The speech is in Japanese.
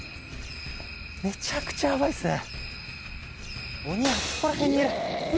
めちゃくちゃヤバいっすね